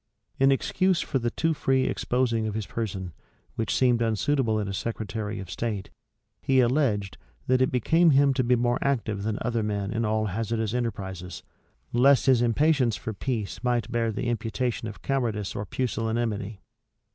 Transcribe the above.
In excuse for the too free exposing of his person, which seemed unsuitable in a secretary of state, he alleged, that it became him to be more active than other men in all hazardous enterprises, lest his impatience for peace might bear the imputation of cowardice or pusillanimity.